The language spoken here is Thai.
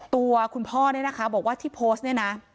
ตัวคุณพ่อเนี่ยนะคะบอกว่าที่โพสต์เนี่ยนะ